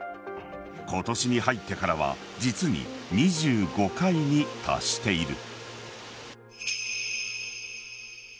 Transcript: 今年に入ってからは実に２５回に達している。